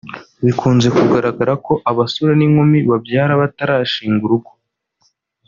Bikunze kugaragara ko abasore n’inkumi babyara batarashinga urugo